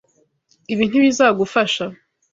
Ibi ntibizagufasha.